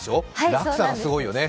落差がすごいよね。